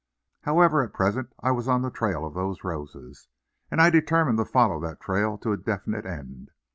However at present I was on the trail of those roses, and I determined to follow that trail to a definite end.